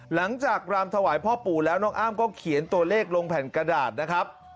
รามถวายพ่อปู่แล้วน้องอ้ำก็เขียนตัวเลขลงแผ่นกระดาษนะครับ